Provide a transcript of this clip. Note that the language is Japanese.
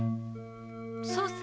そうさ。